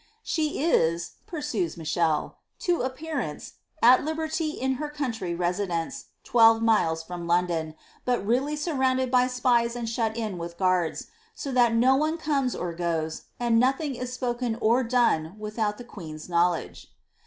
^ She is," pursues Michele, ^^ to appearance, at liberty in her country residence, twelve miles from London, but really surrounded by spies and shut in with guaids, so that no one comes or goes, and nothing is spoken or done without the queen's knowledge."